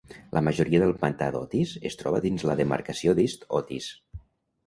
La majoria del pantà d'Otis es troba dins la demarcació d'East Otis.